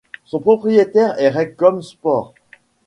Son propriétaire est Raycom Sports.